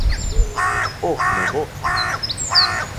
Oh, moj bog.